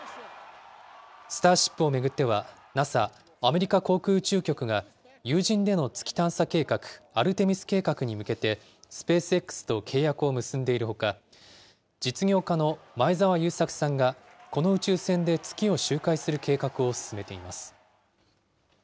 スターシップを巡っては、ＮＡＳＡ・アメリカ航空宇宙局が有人での月探査計画、アルテミス計画に向けてスペースＸと契約を結んでいるほか、実業家の前澤友作さんがこの宇宙船で月を周回する計画を進めています。